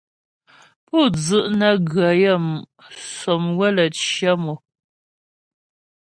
Pú dzu' nə́ gə yaə́mu' sɔmywə lə́ cyə mò.